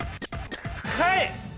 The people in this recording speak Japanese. はい！